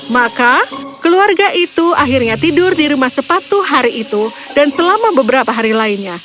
maka keluarga itu akhirnya tidur di rumah sepatu hari itu dan selama beberapa hari lainnya